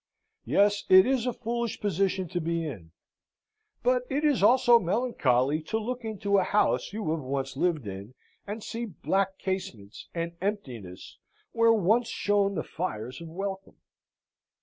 Yes! it is a foolish position to be in; but it is also melancholy to look into a house you have once lived in, and see black casements and emptiness where once shone the fires of welcome.